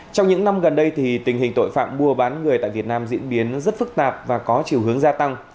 trong những năm gần đây tình hình tội phạm mua bán người tại việt nam diễn biến rất phức tạp và có chiều hướng gia tăng